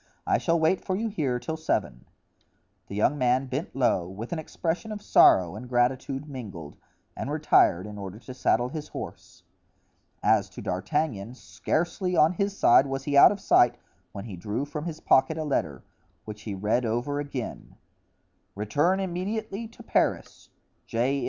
I shall wait for you here till seven." The young man bent low, with an expression of sorrow and gratitude mingled, and retired in order to saddle his horse. As to D'Artagnan, scarcely, on his side, was he out of sight when he drew from his pocket a letter, which he read over again: "Return immediately to Paris.—J.